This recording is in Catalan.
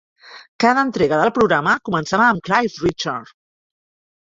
Cada entrega del programa començava amb Cliff Richard.